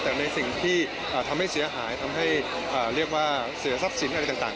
แต่ในสิ่งที่ทำให้เสียหายทำให้เรียกว่าเสียทรัพย์สินอะไรต่าง